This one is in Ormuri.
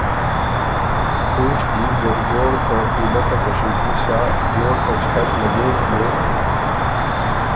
سُوڒ جیم زر جوړ ته پیلۀ په کشیدي سا جوړ پچکک لګېک بیوک